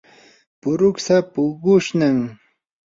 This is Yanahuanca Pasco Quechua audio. puruksa puqushnam.